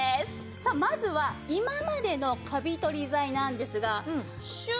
さあまずは今までのカビ取り剤なんですがシュッ。